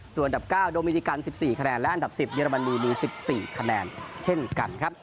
ส่วนอันดับ๙โดมินิกัน๑๔คะแนนและอันดับ๑๐เยอรมนีมี๑๔คะแนนเช่นกันครับ